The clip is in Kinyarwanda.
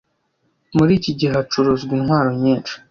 Muri iki gihe hacuruzwa intwaro nyinshi